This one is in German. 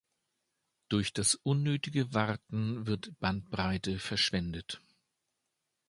Durch das unnötige Warten wird Bandbreite verschwendet.